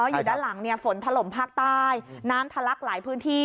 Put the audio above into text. อยู่ด้านหลังฝนถล่มภาคใต้น้ำทะลักหลายพื้นที่